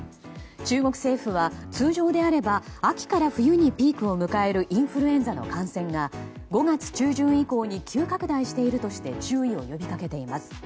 中国政府は通常であれば秋から冬にピークを迎えるインフルエンザの感染が５月中旬以降に急拡大しているとして注意を呼び掛けています。